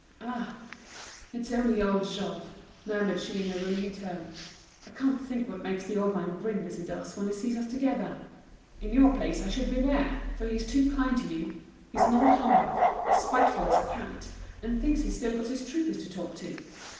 "Ah! it's only old Jouve!" murmured she in a relieved tone. "I can't think what makes the old man grin as he does when he sees us together. In your place I should beware, for he's too kind to you. He's an old humbug, as spiteful as a cat, and thinks he's still got his troopers to talk to."